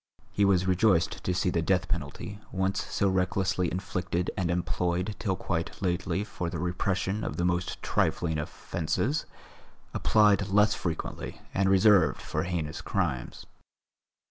He was rejoiced to see the death penalty, once so recklessly inflicted and employed till quite lately for the repression of the most trifling offences, applied less frequently and reserved for heinous crimes.